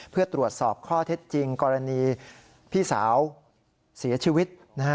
เพื่อตรวจสอบข้อเท็จจริงกรณีพี่สาวเสียชีวิต